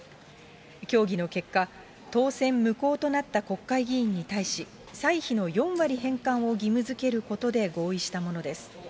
協議の結果、当選無効となった国会議員に対し、歳費の４割返還を義務づけることで合意したものです。